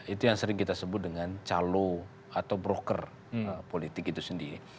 itu yang sering kita sebut dengan calo atau broker politik itu sendiri